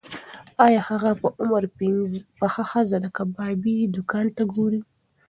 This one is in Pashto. ایا هغه په عمر پخه ښځه د کبابي دوکان ته ګوري؟